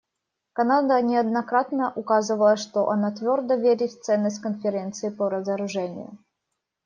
Канада неоднократно указывала, что она твердо верит в ценность Конференции по разоружению.